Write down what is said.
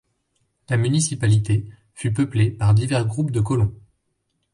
La municipalité fut peuplée par divers groupes de colons.